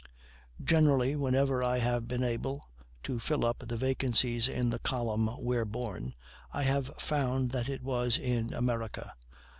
Generally, whenever I have been able to fill up the vacancies in the column "Where Born," I have found that it was in America.